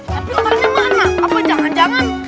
tapi makanya mah anak apa jangan jangan